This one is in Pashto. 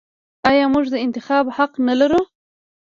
آیا موږ د انتخاب حق نلرو؟